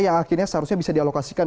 akhirnya seharusnya bisa dialokasikan